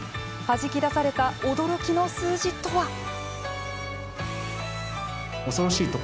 はじき出された驚きの数字とは。